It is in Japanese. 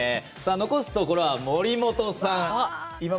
残すところは、守本さん。